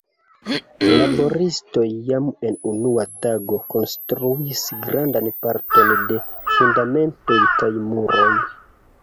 Laboristoj jam en unua tago konstruis grandan parton de fundamentoj kaj muroj.